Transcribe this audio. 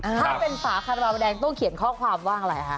ถ้าเป็นฝาคาราบาลแดงต้องเขียนข้อความว่าอะไรคะ